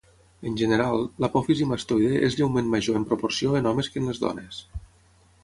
En general, l'apòfisi mastoide és lleument major en proporció en homes que en les dones.